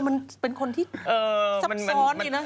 มันเป็นคนที่สับซ้อนเนี่ยละ